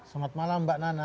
selamat malam mbak nasdem